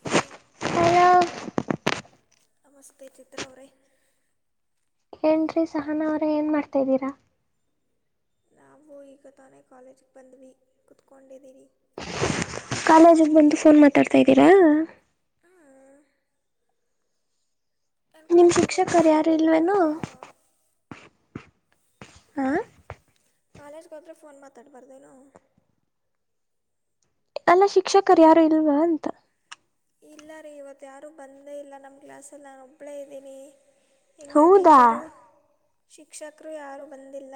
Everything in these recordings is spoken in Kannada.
ಹಲೋ ಹಲೋ ನಮಸ್ತೆ ಚಿತ್ರ ಅವರೇ ಏನುೀ ಸಹನ ಅವರೇ ಏನು ಮಾಡ್ತಾ ಇದಿದ್ದೀರಾ ನಾವು ಈಗ ತಾನೇ ಕಾಲೇಜಿಗೆ ಬಂದ್ವಿ ಕುೂತ್ಕೊಂಡಿದ್ದೀರಿ ಕಾಲೇಜಿಗೆ ಬಂದು ಫೋನ್ ಮಾತಾಡ್ತಾ ಇದ್ದೀರಾ ಏನು ನಿಮ್ ಕಾಲೇಜ್ಗೆ ಹೋದರೆೆ ಶಿಕ್ಷಕರು ಫೋನ್ ಯಾರು ಇಲ್ವೇನು ಮಾತಾಡ್ಬಾರ್ದೇನು ಹ ಕಾಲೇಜ್ಗೆ ಹೋದರೆ ಫೋನ್ ಮಾತಾಡ್ಬಾರ್ದೇನು ಅಲ್ಲ ಶಿಕ್ಷಕರು ಯಾರು ಇಲ್ವಾ ಅಂತ ಇಲ್ಲ ರೀ ಇವತ್ತು ಯಾರು ಬಂದೇ ಇಲ್ಲ ನಮ್ಮ ಕ್ಲಾಸಲ್ಲಿ ನಾನು ಒಬ್ಳೇ ಇದ್ದೀನಿ ಇನ್ನುೂ ಹೌದಾ ಟೀಚರು ಶಿಕ್ಷಕರು ಯಾರು ಬಂದಿಲ್ಲ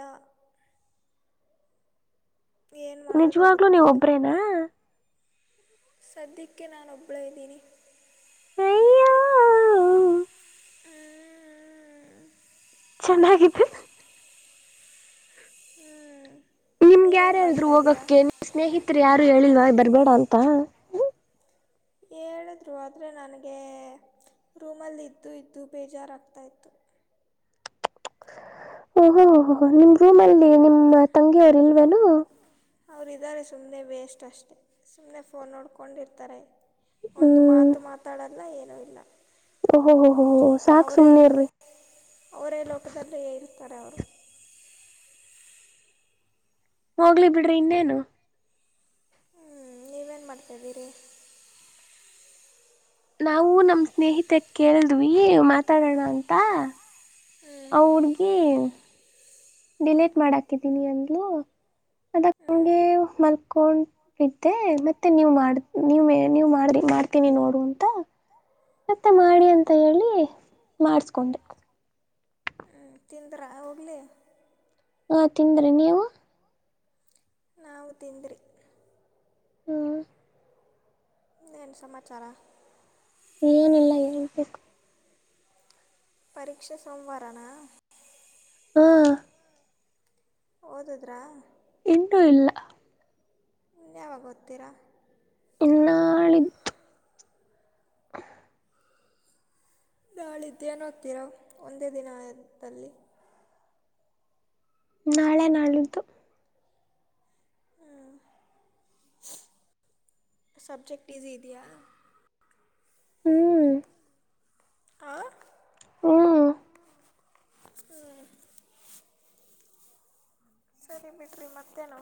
ಏನು ಮಾಡೋದೋ ನಿಜವಾಗ್ಲುನೀವ ಗೊತ್ತಿಲ್ಲ ಒಬ್ರೇನಾ ಸದ್ಯಕ್ಕೆ ನಾನು ಒಬ್ಳ ಇದ್ದೀನಿ ಅಯ್ಯೋ ಹ್ಮ ಚೆನ್ನಾಗತ್ತು ಹ್ಮ್ ನಿಮ್ಗೆ ಯಾರ ಅಲ್ರು ಹೋಗಕ್ಕೆ ಸ್ನೇಹಿತರು ಯಾರು ಹೇಳಿಲ್ವಾ ಬರ್ಬೇಡ ಅಂತ ಹೇಳಿದ್ರು ಆದರೆ ನನಗೆ ರೂಮಲ್ಲಿ ಇದ್ದು ಇದ್ದು ಬೇಜಾರಾಗ್ತಾ ಇತ್ತು ಓಹೋ ಹ ನಿಮ್ ರೂಮ್ ಅಲ್ಲಿ ನಿಮ್ಮ ತಂಗಿಯವರ್ ಇಲ್ವೇನು ಅವರಾರೆ ಸುಮ್ಮನೆ ವೇಸ್ಟ್ ಅಷ್ಟೆ ಸುಮ್ಮ್ನೆ ಫೋನ್ ನೋಡ್ಕೊಂಡಿರ್ತಾರೆ ಒಂದು ಹ್ಮ್ ಮಾತು ಮಾತಾಡಲ್ಲ ಏನೂ ಇಲ್ಲ ಓಹೋ ಓಹೋ, ಸಾಕ್ ಅವೇ ಸುಮ್ನಿರ್ರಿ ಅವರೇ ಲೋಕದಲ್ಲಿ ಇರ್ತಾರೆ ಅವರು ಹೋಗ್ಲಿ ಬಿಡ್ರಿ ಇನ್ನೇನು ಹ್ಮ್ ನೀವೇನ್ ಮಾಡ್ತಾಿದ್ದೀರಿ ನಾವು ನಮ ಸ್ನೇಹಿತಗ್ ಕೇಳಿದ್ವಿ ಮಾತಾಡೋಣ ಅಂತ ಹ್ಞೂ ಅವ ಹಡ್ಗಿ ಹ್ಞೂ ಡಿಲೇಟ್ ಮಾಡಾಕಿದೀನಿ ಅಂದ್ಲು ಅದ ಹ್ಞೂ ಹಗೆ ಮಲ್ಕೊಂಡಿದ್ದೆ ಮತ್ತೆ ನೀವ್ ಮಾಡ ನೀವ ಮೇ ನೀವ್ ಮಾಡ್ರಿ ಮಾಡ್ತೀನಿ ನೋಡು ಅಂತ ಮತ್ತೆ ಮಾಡಿ ಅಂತ ಹೇಳಿ ಮಾಡಿಸಕೊಂಡೆ ಹ ತಿಂದ್ರ ಹೋಗ್ಲಿ ಹಾ ತಿಂದ್ರಿ ನೀವು ನಾವು ತಿಂದ್ರಿ ಹ್ಮ್ ನು ಸಮಾಚಾರ ಏನಿಲ್ಲ ಹೇಳ್ಬೇಕು ಪರೀಕ್ಷಾ ಸೋಮವಾರನಾ ಹಾ ಹಓದದ್ರಾ ಇಂಟು ಇಲ್ಲ ಇನ್ನು ಯಾವಾಗ ಗೊತ್ತೀರಾ ಇನ್ನಾಳಿ ನಾಳಿದ್ದೇನ ಹೋಗ್ತೀರಾ ಒಂದೇ ದಿನದಲ್ಲಿ ನಾಳೆ ನಾಳಿದ್ದು ಹ ಸಬ್ಜೆಕ್ಟ್ ಈಸ ಇದೆಯಾ ಹ್ಮ್ ಆ ಹ್ಮ ಹ್ಮ ಸರಿ ಬಿಡ್ರಿ ಮತ್ತೇನು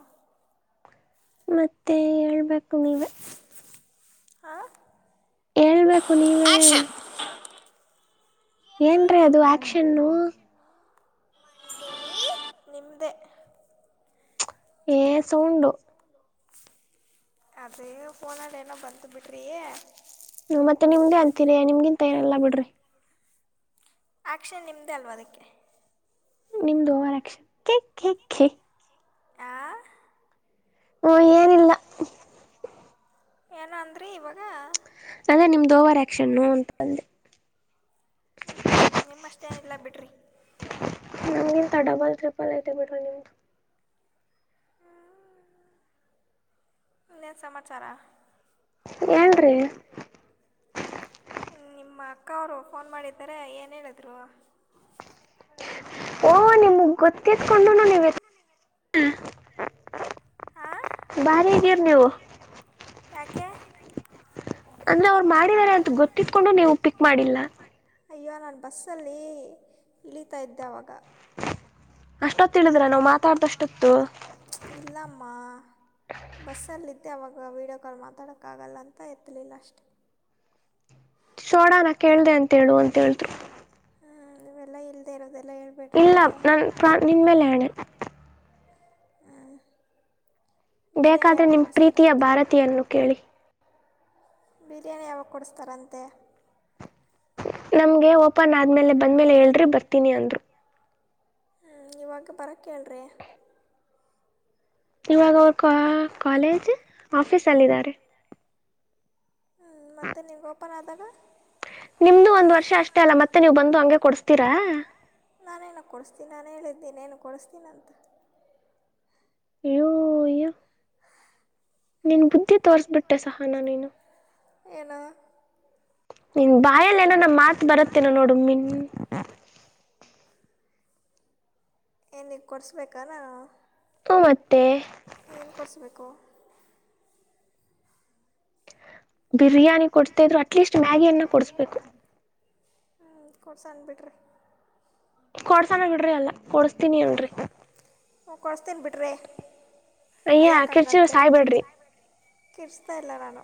ಮತ್ತೆ ಹೇಳ್ಬೇಕು ನೀವ ಹ ಹೇಳ್ಬೇಕು ನೀವೇ ಏನ್ರೀ ಅದು ಆಕ್ಷನ್ ನಿಮದೆ ಏ ಸೂಂಡು ಅದೇ ಫೋನಾಡ್ ಏನೋ ಬಂತ ಬಿಟ್ರಿಯೇ ಹ ಮತ್ತೆಮ್ದೇ ಅಂತೀರಿಯ ನಿಮ್ಗಿಂತ ಏನೆಲ್ಲಾ ಬಿಡ್ರಿ ಆಕ್ಷನ್ ನಿಮ್ದೇ ಅಲ್ವ ಅದಕ್ಕೆ ನಿಮ್ದು ಓವರಕ್ಷರ ಕೆ ಕೆ ಕೆ ಆ ಹ್ಮ ಏನಿಲ್ಲ ಏನ ಅಂದ್ರೆ ಇವಾಗ ಅದೇ ನಿಮ್ದು ಓವರ್ ಆಕ್ಷನ್ನು ಅಂತ ಅಂದೆ ಹ ನಿಮ್ಮಷ್ಟೇ ಎಲ್ಲ ಬಿಡ್ರಿ ನಮ್ಗಿಂತ ಡಬಲ್ ಟ್ರಿಪಲ್ ಐತೆ ಬಿಡ್ರಿ ನಿಮ್ದು ಲ್ಲ ಸಮಮಾಚಾರ ಎಏನ್ ರೀ ನಮ್ಮ ಅಕ್ಕ ಅವರು ಫೋನ್ ಮಾಡಿದ್ದಾರೆ ಏನ ಹೇಳಿದ್ರುವ ಓಹ ನಿಮಗ್ ಗೊತ್ತಿಸಕೊಂಡುನು ನೀವ ಹೂ ಹಾಂ ಬಾರೀ ಅದಿರಿ ನೀವು ಯಾಕೆ ಅಂದ್ರೆ ಅವ್ರು ಮಾಡಿದ್ದಾರೆ ಅಂತ ಗೊತ್ತಿಟ್ಕೊಂಡು ನೀವು ಪಿಕ್ ಮಾಡಿಲ್ಲ ಅಯ್ಯೋ ನಾನು ಬಸ್ಸಲ್ಲಿ ಇಳೀತಾ ಇದ್ದೆ ಆವಾಗ ಅಷ್ಟೊತ್ತು ಇಲ್ಲಮ್ಮ ಬಸ್ಸಲ್ಲಿ ಮತ್ತ ಅವಾಗ ವೀಡಿಯೋ ಕಾಲ್ ಮಾತಾಡಕ್ಕ ಆಗಲ್ಲ ಅಂತ ಎತ್ತಲಿಲ್ಲ ಅಷ್ಟೆ ಸೋಡಾನ ಕೇಳ್ದ ಅಂತೇಳು ಅಂತ ಹೇಳ್ರು ಹ್ಮ ಈವೆಲ್ಲಾ ಇಲ್ಲದೆೇ ಇರೋದ ಇಲ್ಲಾ ನನ್ ಪ್ರಾ ನಿನ್ನ ಮೇಲೆ ಆಣೆ ಹೂ ಬೇಕಾದ್ರೆ ನಿಮ ಪ್ರೀತಿಯ ಭಾರತೀಯನ್ನು ಕೇಳಿ ಬಿರಿಯಾನಿ ಯಾವಾಗ ಕೊಡಸ್ತಾರಂತೆ ನಮ್ಗೆ ಓಪನ್ ಆದ್ಮೇಲೆ ಬಂದ್ಮೇಲೆ ಹೇಳ್ರಿ ಬರ್ತೀನಿ ಅಂದ್ರು ಹ್ಞ ಇವಾಗ ಬರಕ್ಕೆೇಳ್ರೀ ಇವಾಗ ಅವರು ಕಾ ಕಾಲೇಜ್ ಆಫೀಸ್ ಅಲ್ಲಿದ್ದಾರೆ ಹ್ಮ ಮತ್ತೆ ನಿಮ್ ಓಪನ್ ಆದಾಗ ನಿಮ್ದು ಒಂದ್ ವರ್ಷ ಅಷ್ಟೇ ಅಲ್ಲ ಮತ್ತೆ ನೀವು ಬಂದು ಹಂಗೆ ಕೊಡ್ಸ್ತೀರಾ ನಾನೇನ ಕೊಡಿಸ್ತೀನ ಅಂದಿದೇನೇನು ಕೊಡಿಸ್ತೀನಂತ ಅಯ್ಯೋ ಯೋ ನೀನ್ ಬುದ್ಧಿ ತೋರ್ರಿಸ್ಬಿಟ್ಟೆ ಸಹನಾ ನೀನು ಏನು ನಿನ್ ಬಾಯಲ್ ಏನೋ ನಮ್ಮ ಮಾತ್ ಬರತ್ತೇನ ನೋಡು ಮಿನ ಏನೀಗ ಕೊಡ್ಸ್ಬೇಕಾ ನಾನು ಮತ್ತೆ ಏನ್ ಕೊಡ್ಸ್ಬೇಕು ಬಿರಿಯಾನಿ ಕೊಡಸ್ಡೆ ಇದ್ರು ಅಟ್ಲೀಸ್ಟ್ ಮ್ಯಾಗಿಯನ್ನ ಕೊಡಸ್ಬೇಕು ಹೂ ಕೊಡ್ಸನ್ ಬಿಡ್ರಿ ಕೊಡ್ಸಣ ಬಿಡ್ರಿ ಅಲ್ಲಾ ಕೊಡಸ್ತೀನಿ ಅನ್ನಿ ಹೂ ಕೊಡಿಸ್ತೀನಿ ಬಿಡ್ರಿ ಅಯ್ಯ ಆ ಕಿರ್ಚ ಸಾಯ್ಬೇಡ್ರಿ ಕೀರ್ಚ್ತಾ ಇಲ್ಲ ನಾನು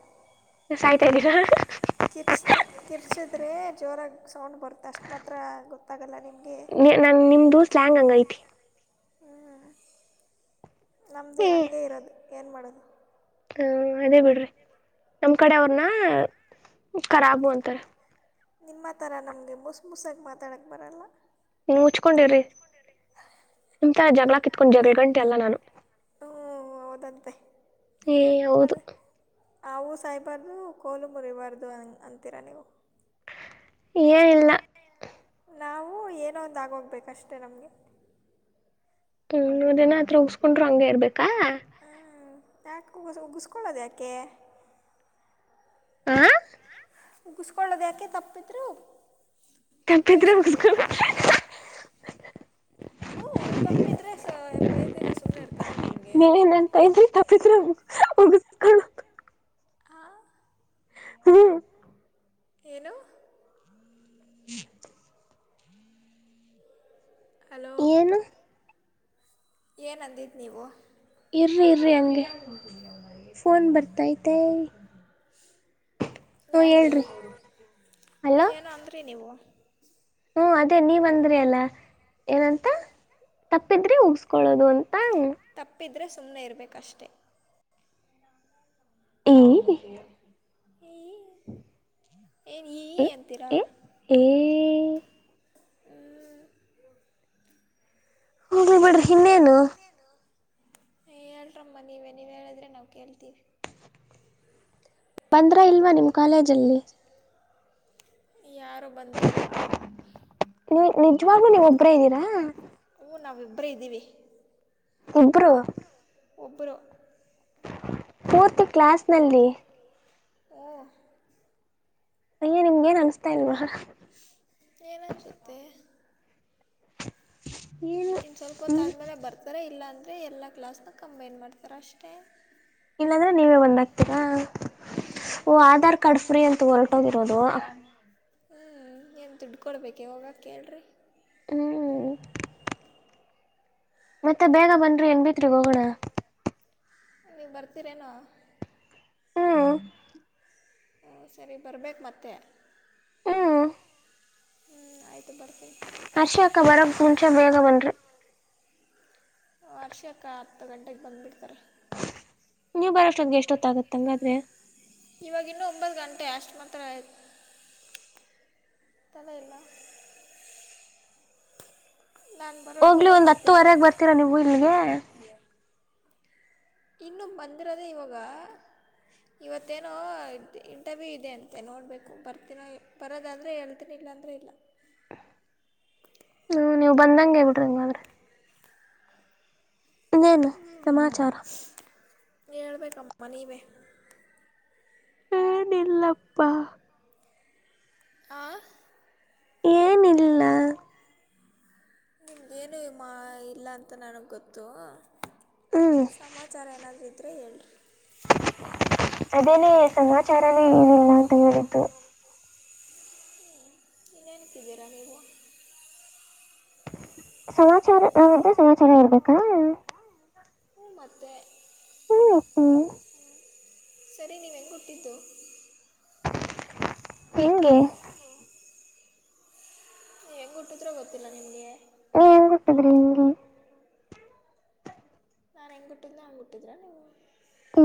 ಏನ್ ಸಾಯ್ತಾ ಇದೀರಾ ಕಿರ್ಚ ಕಿರ್ಚಿದ್ರೆ ಜೋರಾಗಿ ಸೌಂಡ್ ಬರುತ್ತೆ ಅಷ್ಟು ಮಾತ್ರ ಗೊತ್ತಾಗಲ್ಲ ನಿಮಗ ನಾನ್ ನಿಮ್ದು ಸ್ಲ್ಯಾಂಗ್ ಹಂಗ ಐತಿ ಹ್ಮ್ ನಮ್ದು ಹಂಗೆ ಇರೋದು ಏನ್ ಮಾಡೋದು ಹಾ ಅದೇ ಬಿಡ್ರಿ ನಮ್ ಕಡೆ ಅವ್ರನ ಖರಾಬು ಅಂತಾರೆ ನಿಮ್ಮ ಥರ ನಮಗೆ ಮುಸ್ ಮುಸಾಗಿ ಮಾತಾಡೋಕ್ಕೆ ಬರಲ್ಲ ಮುಚ್ಕೊಂಡಿರಿ ನಿಮ್ ತಾರಾ ಜಗಳಾ ಇತ್ಕೊಂಡ್ ಜಗಳ ಗಂಟೆ ಅಲ್ಲ ನಾನು ಹ್ಮ ಹೌದಂತೆ ಏ ಹೌದು ಅದು ಹಾವು ಸಾಯಬಾರ್ದು ಕೋಲು ಮುರಿಬಾರ್ದು ಅಂ ಅಂತೀರ ನೀವು ಏನಿಲ್ಲ ನಾವು ಏನೋ ಒಂದು ಆಗೋಗ್ಬೇಕಷ್ಟೆ ನಮಗೆ ಹ್ಮ್ ನೂರ್ ಜನ ಹತ್ರ ಉಗ್ಸ್ಕೊಂಡ್ರು ಹಂಗೆ ಇರ್ಬೇಕಾ ಯಾಕೆ ಉ ಉಗಿಸ್ಕೊಳ್ಳೋದು ಯಾಕೆ ಆ ಉಗಿಸ್ಕೊಳ್ಳೋದ ಯಾಕೆ ತಪ್ಪಿದರು ತಪ್ಪಿದ್ರೆ ಉಗಿಸ್ಕೊಳೊಡು ಹಓ ತಪ್ಪಿದ್ರೆ ಬೈತೀರಷ್ಟ ನೀನಂತ ತ್ರಿ ತಪ್ಪಿದ್ರ ಮುಗಿಸಕ ಆ ಹ್ಮ ಏನು ಹ್ಮ ಹಲೋ ಏನು ಏನುಂದಿದ್ದ ನೀವು ಇರಿ ಇರಿ ಹಂಗೆ ಫೋನ್ ಬರ್ತೈತೆ ಹ್ಮ ಯಾರಿಗೆ ಹೇಳ್ರಿ ಹಲೋ ಏನು ಅಂದ್ರಿ ನೀವು ಹ್ಮ ಅದೇ ನೀವ್ ಅಂದ್ರಿ ಅಲ್ಲ ಏನಂತ ತಪ್ಪಿದ್ರೆ ಉಗಸ್ಕೊಳ್ಳೋದು ಅಂತ ತಪ್ಪಿದ್ರೆ ಸುಮ್ಮ್ನೆ ಇರಬೇಕಷ್ಟೇ ಹ್ಮ ಈಏ ಏನು ಈ ಎ ಅಂತೀರಾ ಎ ಏ ಹ ಹೋಗ್ ಬಿಡ್ರಿ ಇನ್ನೇನು ಏ ಹೇಳ್ರಮ್ಮ ನೀವೇ ನೀವು ಹೇಳಿದ್ರೆ ನಾವು ಕೇಳ್ತೀವಿ ಬಂದ್ರ ಇಲ್ವಾ ನಿಮ್ಮ್ ಕಾಲೇಜಲ್ಲಿ ಯಾರೂ ಬಂದಿಲ್ಲ ನೀ್ ನಿಜ್ವಾಗ್ಲೂ ನೀವ್ ಒಬ್ರ ಇದ್ದೀರಾ ಹ ನಾವು ವಿಬರ ಇದ್ದೀವಿ ಒಬ್ಬರು ಉಬ್ಬರು ಫೋರ್ತ್ ಕ್ಲಾಸ್ ನಲ್ಲಿ ಹ್ಞೂ ಅಯ್ಯ ನಿಮ್ಗೆ ಏನ್ ಅನ್ಸ್ತಾ ಇಲ್ವಹ ಎಲ್ಲ ಹಚ್ಚುತ್ತ ಏನು ಇನ್ನು ಸ್ವಲ್ಪ ಹ್ಮ್ ಹೊತ್ತಾದಮೇಲೆ ಬರ್ತಾರೆ ಇಲ್ಲ ಅಂದರೆ ಎಲ್ಲ ಕ್ಲಾಸ್ನ್ನ ಕಂಬೈನ್ ಮಾಡ್ತಾರೆ ಅಷ್ಟೇ ಇಲ್ಲಾಂದ್ರೆ ನೀವೇ ಒಂದ್ಾಗ್ತೀರಾ ಹ್ಞೂ ಓ ಆಧಾರ್ ಕಾರ್ಡ್ ಫ್ರೀ ಅಂತ ಹೊರಟೋಗಿರೋದು ಹ್ಮಞ ಏನ್ ದುಡ್ಡು ಕೊೊಡ್ಬೇಕು ಇವಾಗ ಕೇಳ್ರಿ ಹ್ಮ್್ಮ ಮತ್ತೆ ಬೇಗ ಬನ್್ರಿ ಏನ್ಬಿತ್್ರಿ ಹೋಗೋಣ ನೀವು ಬರ್ತೀರೇನೋ ಹ್ಮ್ ಹಞ ಸರಿ ಬರ್ಬೇಕು ಮತ್ತೆ ಹ್ಮ್ ಹ್ಮ್ ಆಯ್ತು ಬರ್ತೀನಿ ಹರ್ಷಿಯಕ್ಕ ಬರ ಮುಂಚ ಬೇಗ ಬನ್ರಿ ವರ್ಷಕ್ಕೆ ಹತ್ತು ಗಂಟೆಗೆ ಬಂದು್ಬಿಡ್ತಾರೆ ನೀವ್ ಬರೋಷ್ಟೊಂಗೆ ಎಷ್ಟೊತ್ತ ಆಾಗತ್ತ ಹಂಗಾದ್ರೆ ಇವಾಗ ಇನ್ನುೂ ಒಂಬತ್ತು ಗಂಟೆ ಅಷ್ಟು ಮಾತ್ರ ಆಯ್ತು ತಲೇಲ್ಲ ಬರೋದು ಹೋಗ್ಲಿ ಒಂದ್ ಹತ್ತುವರೆಗ್ ಮಧ್ಯಾಹ್ನಕ್ಕೆ ಬರ್ತೀರಾ ನೀವು ಇಲ್ಗೆ ಇನ್ನು ಬಂದಿರದೇ ಇವಾಗ ಇವತ್ತೇನೋ ಇಂಟರ್ವ್ಯೂ ಇದೆ ಅಂತೆ ನೋಡ್ಬೇಕು ಬರ್ತೀನೋ ಬರೋದಾದ್ರೆ ಹೇಳ್ತೀನಿ ಬೇಗ್ ಅಂದ್ರೆ ಇಲ್ಲ ಹ್ಮ ನೀವು ಬಂದಂಗಗೆ ಹೇ ಬಿಿಡ್ರಿಂಗ್ರೆ ಇನ್ನೇನು ಸಮಾಚಾರ ಳ್ಬೇಕ ಕಮ್ಮನ ಇವೆ ಏನ್ ಇಲ್ಲಪ್ಪಾ ಹ ಏನಿಲ್ಲ ಹಗೇನು ಈ ಮಾ ಇಲ್ಲ ಅಂತ ನನಗೆ ಗೊತ್ತು ಹ್ಮ್ ಸಮಾಚಾರ ಏನಾದ್ರು ಇದ್ರೆ ಹೇಳ್ರಿ ಅದೇನೆೇ ಸಮಾಚಾರನೆ ಏನಿಲ್ಲ ಅಂತ ಹೇಳಿದ್ದು ಇನ್ನೇನು ಕಿದೀರಾ ನೀವು ಸಮಾಚಾರ ನಾವಂತ ಸಮಾಚಾರ ಇರ್ಬೇಕಾ ಹ ಮತ್ತೆ ಹ್ಮ್ ಹ್ಮ್ ಸರಿ ನೀವು ಹೆಂಗ್ ಹುಟ್ಟಿದ್ದು ಹೆಂಗೆ ಹೆಂಗ್ ಹುಟ್ಟಿದ್ರೋ ಗೊತ್ತಿಲ್ಲ ನಿಮ್ಗೆ ನೀವ್ ಹೆಂಗ್ ಹುಟ್ಟಿದ್ರಿ ಅಂಗೆ ನಾನ್ ಹೆಂಗ್ ಹುಟ್ಟುದ್ನ ಹಂಗ ಹುಟ್ಟಿದ್ರ ನೀವು ಹ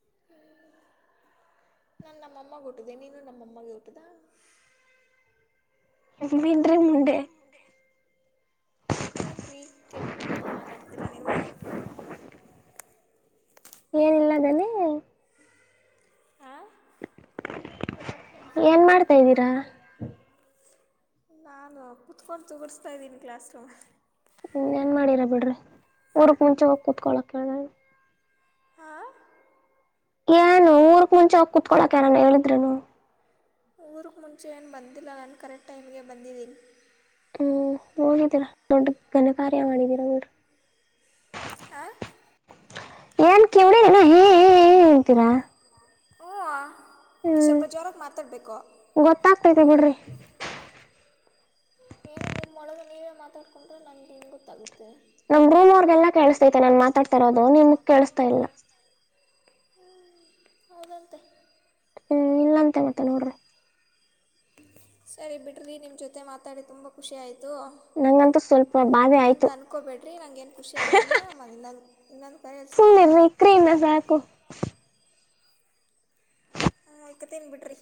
ಹ ನನ್ ನಮ್ಮಮ್ಮಗೆ ಹುಟ್ಟಿದೆ ನೀನು ನಮ್ಮಮ್ಮಗೆ ಹುಟ್ಟದ ಇ ಮಿಂಡ್ರಿ ಮುಂಡೆ ಏನ್ರೀ ಕೆಟ್ಟ ಮಾತೆಲ್ಲ ಮಾತಾಡ್ತೀರಾ ನೀವು ಎಲ್ಲದಾನೇ ಹಾಂ ಏನ್ ಮಾಡ್ತಾ್ಯಿದೀರಾ ನಾನು ಕುತ್ಕೊಂಡು ತುಗ್ದುಸ್ಟಇದಿನಿ ಇದ್ದೀನಿ ಕ್ಲಾಸ್ ರೂಮ್ ಅಲ್ಲಿ ಏನೇನ್ ಮಾಡಿರ ಬಿಡ್ರಿ ಊರ್ಕ್ ಮುಂಚೆ ಹೋಗಿ ಕುತ್ಕೊಳಕ್ ಹೇಳೇಳ ಹಾ ಏನು ಊರ್ಕ್ ಮುಂಚೆಿ ಕುತ್ಕೊಳಕ ಯಾರಾನ ಹೇಳಿದ್ರರುನು ಊರಿಗೆ ಮುಂಚೆ ಏನು ಬಂದಿಲ್ಲ ನಾನು ಕರೆಕ್ಟ್ ಟೈಮ್ಗೆ ಬಂದಿದ್ದೀನಿ ಹ್ಮ್ ಹೋಗಿದ್ದೀರಾ ದೊಡ್ಡ ಗನ ಕಾರ್ಯ ಮಾಡಿದೀರಾ ಆ ಏನ್ ಕಿವಿಡಿನ ಹಾ ಹಾ ಅಂತೀರಾ ಹ್ಞೂ ನೀವು ಹ್ಮ್ ಸ್ವಲ್ಪ ಜೋರಾಗಿ ಮಾತಾಡಬೇಕು ಗೊತ್ತಾಗ್ತೈತೆ ಬಿಡ್ರಿ ಏನೋ ನಿಮ್ಮೊಳಗೆ ನೀವೇ ಮಾತಾಡ್ಕೊಂಡ್ರೆ ನನ್ಗೆ ಗೊತ್ತಾಗುತ್ತೆ ನಮ್ ರೂಮ್ವರ್ಗೆಲ್ಲ ಕೇಸ್ತೈತೆ ನಾನ್ ಮಾತಾಡ್ತಾರೋದು ನಿಮಗ್ ಕೇಳಸ್ತಾ ಇಲ್ಲ ಹ್ಮ ಅದಂತೆ ಹ್ಮ್ ಇಲ್ಲ ಅಂತ ಮತ್ತ ನೋಡ್ರಿ ಸರಿ ಬಿಡ್ರಿ ನಿಮ್ ಜೊತೆ ಮಾತಾಡಿ ತುಂಬಾ ಖುಷಿ ಆಯ್ತು ಅದು ನಂಗಂತೂ ಸ್ವಲ್ಪ ಬಾಧೆ ಅಂತ ಆಯ್ತು ಅನ್ಕೋಬೇಡ್ರಿ ನಂಗ್ ಏನ್ ಖುಷಿ ಆಗಿಲ್ಲ ಮನಲ್ಲ ಸುಮನಿ ಕ್ರೇ ನ ಸಾಕು ಮಕ ತಿ ಬಿಿಡ್ರಿ